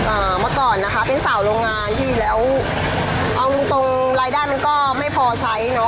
เมื่อก่อนนะคะเป็นสาวโรงงานพี่แล้วเอาจริงตรงรายได้มันก็ไม่พอใช้เนอะ